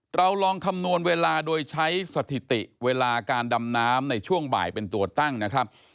เราลองคำนวณเวลาโดยใช้สถิติเวลาการดำน้ำในช่วงบ่ายเป็นตัวตั้งนะครับ